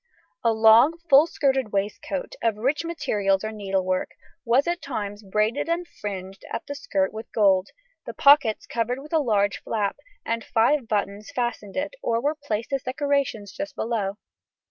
A long, full skirted waistcoat, of rich materials or needlework, was at times braided and fringed at the skirt with gold, the pockets covered with a large flap, and five buttons fastened it or were placed as decorations just below it.